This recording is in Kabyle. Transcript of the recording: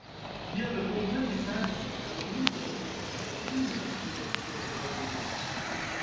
Yal lufan yesɛa deg-m amur-is n tezmert-im d ṣṣber-im.